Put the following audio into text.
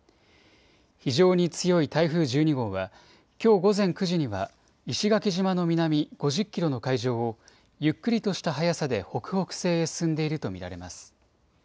非常に強い台風１２号はきょう午前９時には石垣島の南５０キロの海上をゆっくりとした速さで北北西へ進んでいると見られます。